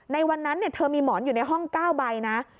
ในวันนั้นเธอมีหมอนอยู่ในห้อง๙ใบนะ